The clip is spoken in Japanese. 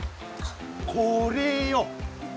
これよ。